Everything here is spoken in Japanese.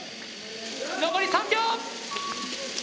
残り３秒。